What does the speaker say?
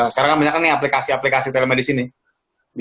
sekarang kan banyak aplikasi aplikasi telemedicine gitu ya